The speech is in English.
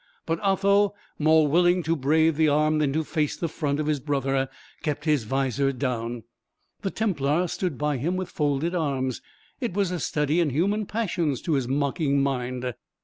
But Otho, more willing to brave the arm than to face the front of his brother, kept his vizor down; the Templar stood by him with folded arms. It was a study in human passions to his mocking mind.